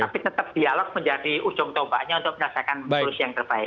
tapi tetap dialog menjadi ujung tombaknya untuk merasakan solusi yang terbaik